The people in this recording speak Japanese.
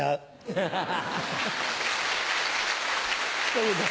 ハハハ。